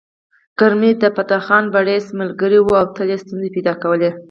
کرمي د فتح خان بړيڅ ملګری و او تل یې ستونزې پيدا کولې